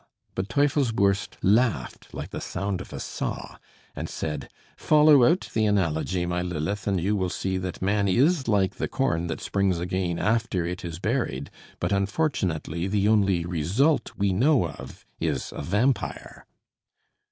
But Teufelsbürst laughed like the sound of a saw, and said: "Follow out the analogy, my Lilith, and you will see that man is like the corn that springs again after it is buried; but unfortunately the only result we know of is a vampire."